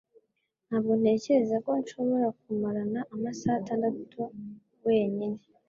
Ntabwo ntekereza ko nshobora kumarana amasaha atandatu wenyine